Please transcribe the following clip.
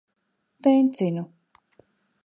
Tencinu.